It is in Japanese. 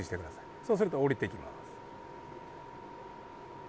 そうすると下りてきます。